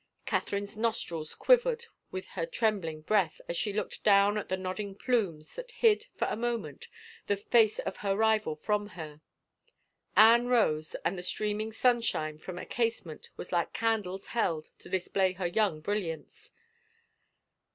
Catherine's nostrils quivered with her trem bling breath as she looked down at the nodding plumes that hid, for a moment, the face of her rival from her. Anne rose, and the streaming sunshine from a casement was like candles held to display her young brilliance.